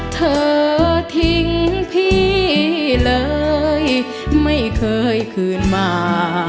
เธอทิ้งพี่เลยไม่เคยคืนมา